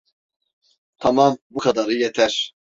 Tamam, bu kadarı yeter.